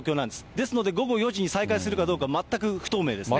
ですので、午後４時に再開するかどうか、全く不透明ですね。